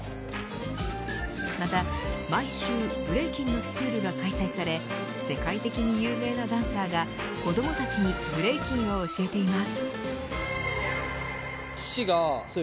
また、毎週ブレイキンのスクールが開催され世界的に有名なダンサーが子どもたちにブレイキンを教えています。